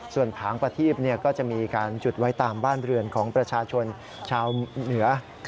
ส่วนผางประทีบก็จะมีการจุดไว้ตามบ้านเรือนของประชาชนชาวเหนือ